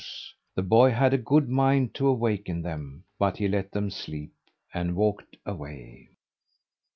The boy had a good mind to awaken them, but he let them sleep on, and walked away.